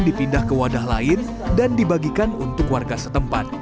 dipindah ke wadah lain dan dibagikan ke dalam setelah selesai bubur ini dimasak dengan air dan